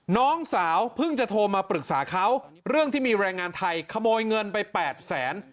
น้องสาวเพิ่งจะโทรมาปรึกษาเขาเรื่องที่มีแรงงานไทยขโมยเงินไป๘แสน